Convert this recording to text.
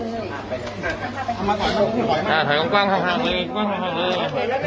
แล้วหล่ะให้ก็กล้องให้คุณนะครับ